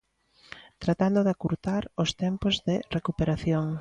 Tratando de acurtar os tempos de recuperación.